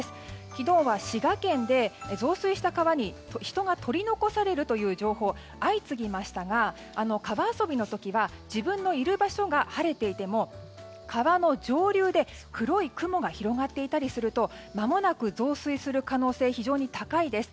昨日は滋賀県で、増水した川に人が取り残されるという情報が相次ぎましたが川遊びの時は自分のいる場所が晴れていても川の上流で黒い雲が広がっていたりするとまもなく増水する可能性が非常に高いです。